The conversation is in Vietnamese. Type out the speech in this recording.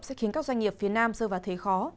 sẽ khiến các doanh nghiệp phía nam rơi vào thế khó